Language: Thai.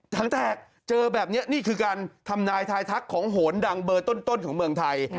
ตั้งแต่เจอแบบนี้นี่คือการทำนายทายทักของโหนดังเบอร์ต้นของเมืองไทย